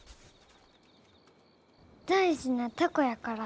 大事な凧やから。